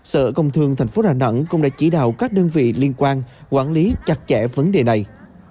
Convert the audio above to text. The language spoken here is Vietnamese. sở công thương tp đà nẵng cũng đã chỉ đạo các đơn vị liên quan quản lý chặt chẽ vấn đề này